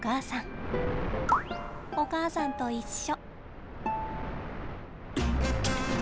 お母さんと一緒。